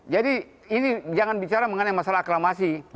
jadi ini jangan bicara mengenai masalah aklamasi